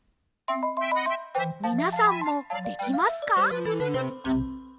みなさんもできますか？